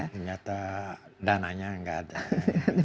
ternyata dananya enggak ada